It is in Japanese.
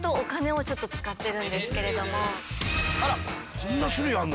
こんな種類あるの？